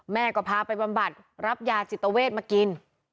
แม่ก็พาไปบำบัดรับยาจิตเวทมากิน